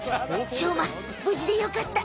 しょうまぶじでよかった。